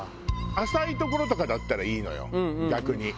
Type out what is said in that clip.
浅い所とかだったらいいのよ逆に。